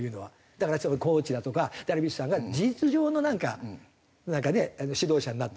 だからコーチだとかダルビッシュさんが事実上のなんかなんかね指導者になってて。